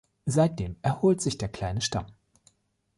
Seitdem erholt sich der kleine Stamm.